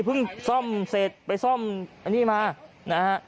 เพิ่งซ่อมเสร็จไปซ่อมอันนี้มานะฮะ